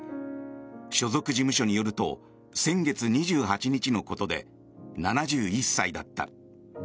所属事務所によると先月２８日のことで７１歳だった。